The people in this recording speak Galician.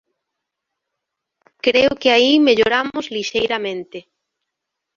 Creo que aí melloramos lixeiramente.